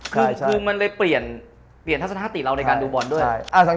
คือมันเลยเปลี่ยนทัศนติเราในการดูบอลด้วย